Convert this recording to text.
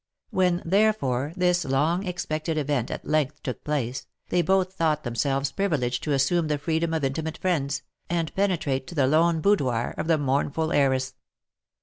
When, therefore, this dong expected event at length took place, they both thought themselves privileged to assume the freedom of intimate friends, and penetrate to the lone boudoir of the mournful heiress.